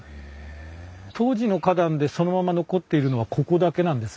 当時の花壇でそのまま残っているのはここだけなんです。